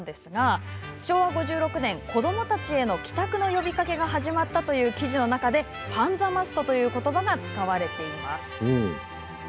昭和５６年、子どもたちへの帰宅の呼びかけが始まったという記事の中でパンザマストということばが使われています。